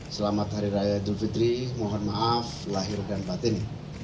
selamat hari raya idul fitri mohon maaf lahir dan batin